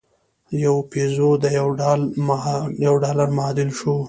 یو پیزو د یوه ډالر معادل شو.